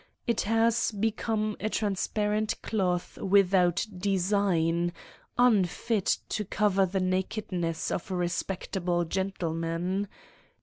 It has become a transparent cloth without design, unfit to cover the nakedness of a respectable gentleman